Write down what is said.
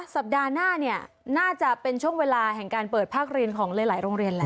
สัปดาห์หน้าเนี่ยน่าจะเป็นช่วงเวลาแห่งการเปิดภาคเรียนของหลายโรงเรียนแล้ว